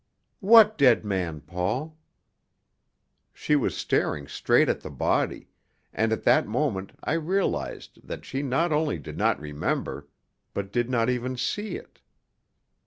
"What dead man, Paul?" She was staring straight at the body, and at that moment I realized that she not only did not remember, but did not even see it.